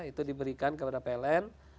itu diberikan kepada pln